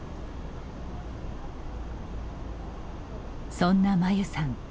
そんなまゆさん